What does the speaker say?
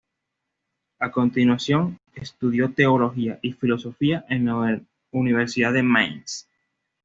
A continuación, estudió teología y filosofía en la Universidad de Mainz.